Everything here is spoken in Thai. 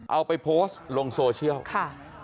เอาไปโพสต์ลงโซเชียลค่ะ